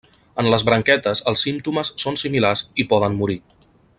En les branquetes els símptomes són similars i poden morir.